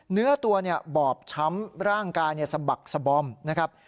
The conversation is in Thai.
เนื้อตัวบอบช้ำร่างกายสะบักสบอมนะครับ